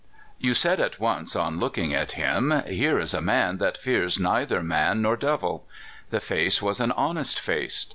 You said at once, on looking at him, Here is a man that fears neither man nor devil. The face was an honest face.